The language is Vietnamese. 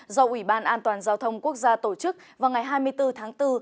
do ủy ban an toàn giao thông quốc gia tổ chức vào ngày hai mươi bốn tháng bốn